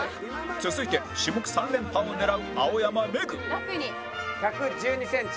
続いて種目３連覇を狙う青山めぐ１１２センチ。